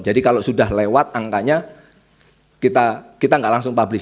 kalau sudah lewat angkanya kita nggak langsung publish